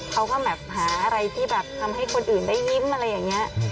เขาก็แบบหาอะไรที่แบบทำให้คนอื่นได้ยิ้มอะไรอย่างนี้